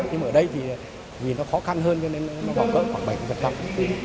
nhưng ở đây thì vì nó khó khăn hơn cho nên nó gọt gỡ khoảng bảy phần trăm